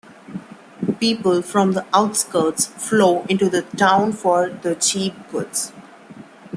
People from the outskirts flow into town for the cheap goods.